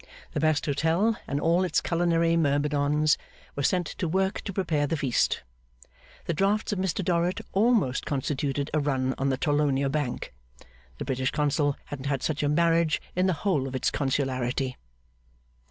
The best hotel and all its culinary myrmidons, were set to work to prepare the feast. The drafts of Mr Dorrit almost constituted a run on the Torlonia Bank. The British Consul hadn't had such a marriage in the whole of his Consularity.